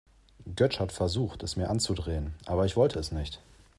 Götsch hat versucht, es mir anzudrehen, aber ich wollte es nicht.